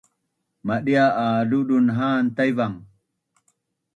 Madia a ludun ha’an Taivang